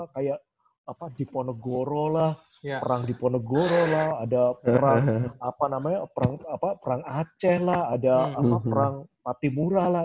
kayak diponegoro lah perang diponegoro lah ada perang perang aceh lah ada perang patimura lah